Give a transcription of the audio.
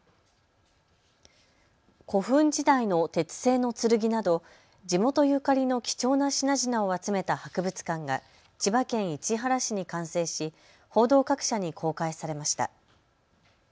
古墳時代の鉄製の剣など地元ゆかりの貴重な品々を集めた博物館が千葉県市原市に完成し報道各社に公開されました。